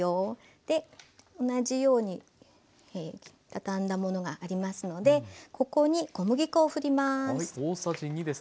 で同じようにたたんだものがありますのでここに小麦粉をふります。